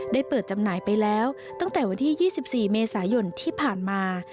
เปิดจำหน่ายไปแล้วตั้งแต่วันที่๒๔เมษายนที่ผ่านมา